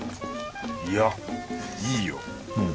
いやいいようん。